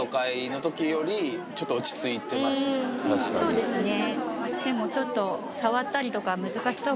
そうですね。